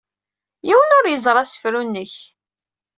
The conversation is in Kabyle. Yiwen ur yegzi asefru-nnek.